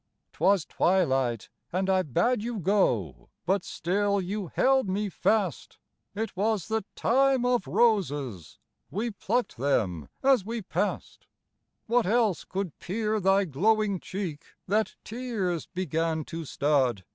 'Twas twilight, and I bade you go, But still you held me fast; It was the Time of Roses, We pluck'd them as we pass'd. What else could peer thy glowing cheek, That tears began to stud?